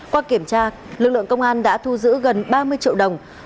qua kiểm tra lực lượng công an đã thu giữ gần ba mươi triệu đồng